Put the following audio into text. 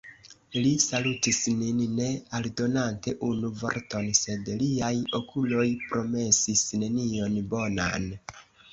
Li salutis nin ne aldonante unu vorton, sed liaj okuloj promesis nenion bonan.